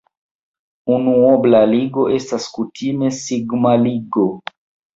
Unuobla ligo estas kutime sigma-ligo.